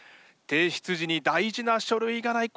提出時に大事な書類がない。